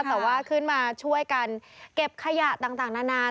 แต่ว่าขึ้นมาช่วยกันเก็บขยะต่างนานา